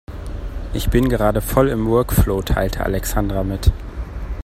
Ich bin gerade voll im Workflow, teilte Alexandra mit.